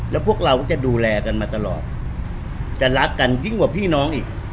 แล้วพวกเราก็จะดูแลกันมาตลอดจะรักกันยิ่งกว่าพี่น้องอีก